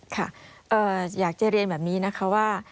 ค่ะอยากจะเรียนแบบนี้นะคะว่า